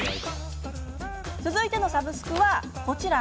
続いてのサブスクは、こちら。